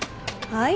はい。